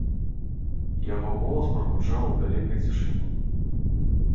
Яго голас прагучаў у вялікай цішыні.